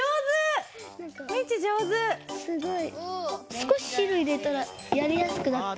少し汁入れたらやりやすくなった。